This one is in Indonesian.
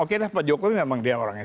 oke dah pak jokowi memang dia orang yang